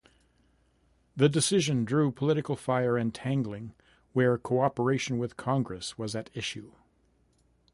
The decision drew political fire and tangling, where cooperation with Congress was at issue.